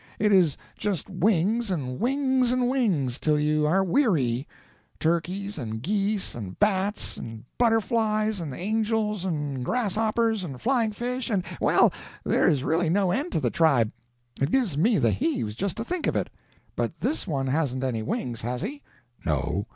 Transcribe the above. It is just wings, and wings, and wings, till you are weary: turkeys, and geese, and bats, and butterflies, and angels, and grasshoppers, and flying fish, and—well, there is really no end to the tribe; it gives me the heaves just to think of it. But this one hasn't any wings, has he?" "No."